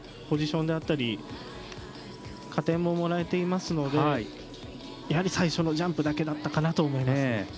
ポジションだったり加点も、もらえていますので最初のジャンプだけだったかなと思います。